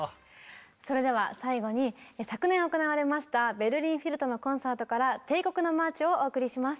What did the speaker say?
それでは最後に昨年行われましたベルリン・フィルとのコンサートから「帝国のマーチ」をお送りします。